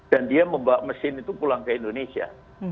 dan dia membawa mesin itu pulang ke indonesia